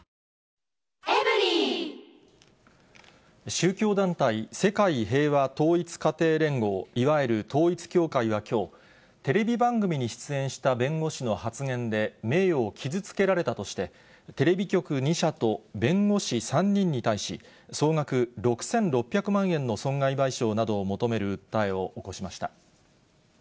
宗教団体、世界平和統一家庭連合、いわゆる統一教会はきょう、テレビ番組に出演した弁護士の発言で名誉を傷つけられたとして、テレビ局２社と弁護士３人に対し、総額６６００万円の損害賠償などを求める訴えを起こしました。